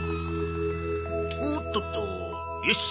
おっとっとよし。